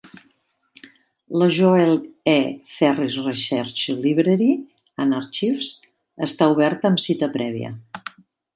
La Joel E. Ferris Research Library and Archives està oberta amb cita prèvia.